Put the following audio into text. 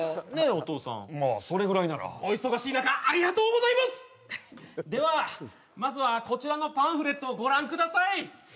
お父さんまあそれぐらいならお忙しい中ありがとうございますではまずはこちらのパンフレットをご覧ください